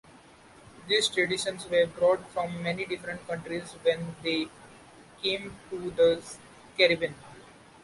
These traditions were brought from many different countries when they came to the Caribbean.